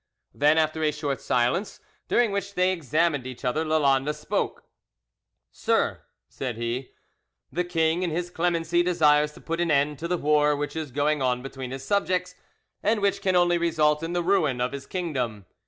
Then after a short silence, during which they examined each other, Lalande spoke. "Sir," said he, "the king in his clemency desires to put an end to the war which is going on between his subjects, and which can only result in the ruin of his kingdom.